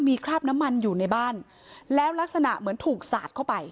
มีคราบน้ำมันอยู่ในบ้านแล้วลักษณะเหมือนถูกสาดเข้าไป